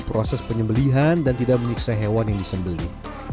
proses penyembelihan dan tidak menyiksa hewan yang disembeli